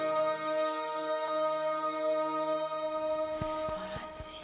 すばらしい。